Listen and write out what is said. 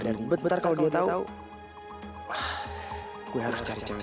jadi betar kalau dia tahu gue harus cari cari